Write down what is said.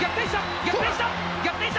逆転した！